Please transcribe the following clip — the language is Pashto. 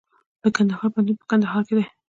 د کندهار پوهنتون په کندهار کې دی